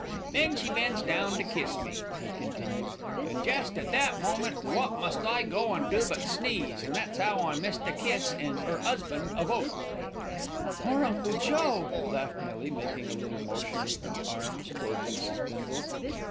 "Then she bends down to kiss me," he continued, "an' jest at that moment wot must I go and do but sneeze, an' that's 'ow I missed a kiss an' 'er 'usband a vote." "Poor Uncle Joe," laughed Millie, making a little motion with her arms towards Mrs. Bindle.